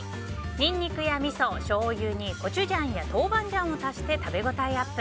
ニンニクやみそ、しょうゆにコチュジャンや豆板醤を足して食べ応えアップ。